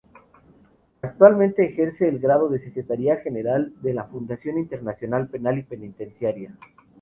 Actualmente ejerce el cargo de secretaria general de la Fundación Internacional Penal y Penitenciaria.